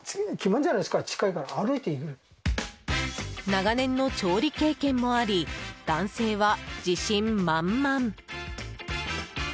長年の調理経験もあり男性は自信満々。